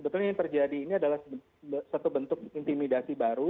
sebetulnya yang terjadi ini adalah satu bentuk intimidasi baru